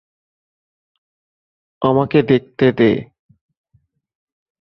আমাকে দেখতে দে।